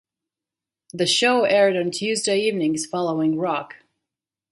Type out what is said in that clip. The show aired on Tuesday evenings following "Roc".